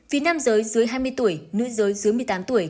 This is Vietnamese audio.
vì nam giới dưới hai mươi tuổi nữ giới dưới một mươi tám tuổi